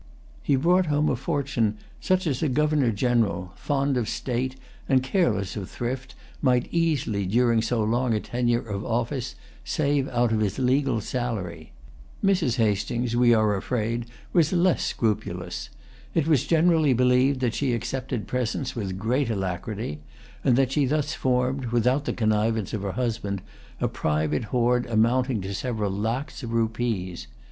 He brought home a fortune such as a Governor General, fond of state and careless of thrift, might easily, during so long a tenure of office, save out of his legal salary. Mrs. Hastings, we[Pg 203] are afraid, was less scrupulous. It was generally believed that she accepted presents with great alacrity, and that she thus formed, without the connivance of her husband, a private hoard amounting to several lacs of rupees.